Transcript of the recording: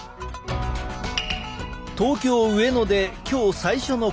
東京・上野で今日最初の講演。